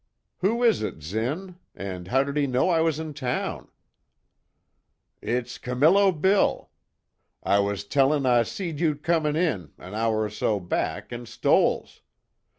"Who is it, Zinn? And how did he know I was in town?" "It's Camillo Bill. I was tellin' I see'd you comin' in an hour or so back, in Stoell's.